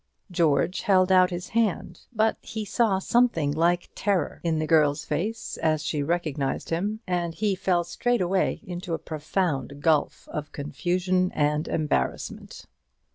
George held out his hand, but he saw something like terror in the girl's face as she recognized him; and he fell straightway into a profound gulf of confusion and embarrassment.